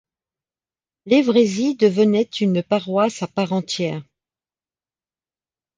Levrézy devenait une paroisse à part entière.